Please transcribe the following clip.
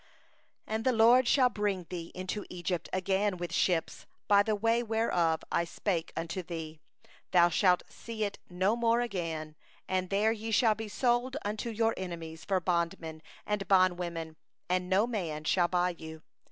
68And the LORD shall bring thee back into Egypt in ships, by the way whereof I said unto thee: 'Thou shalt see it no more again'; and there ye shall sell yourselves unto your enemies for bondmen and for bondwoman, and no man shall buy you.